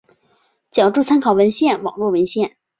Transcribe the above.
脚注参考文献网络文献